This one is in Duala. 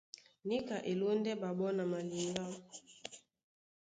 Níka e lóndɛ́ ɓaɓɔ́ na maliŋgá.